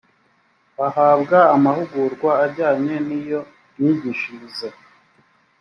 bahabwa amahugurwa ajyanye n iyo myigishirize